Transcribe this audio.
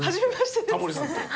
タモリさんと。